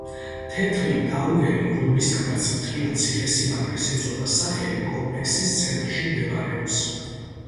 თეთრი ტაუერი, რომლისგანაც მთლიან ციხესიმაგრეს ეწოდა სახელი, კომპლექსის ცენტრში მდებარეობს.